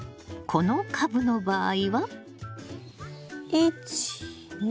この株の場合は？